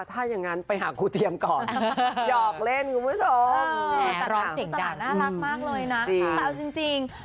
ถ้าอย่างงั้นไปหาครูเตรียมก่อน